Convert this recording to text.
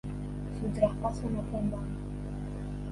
Su traspaso no fue en vano.